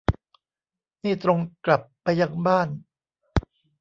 นี่ตรงกลับไปยังบ้าน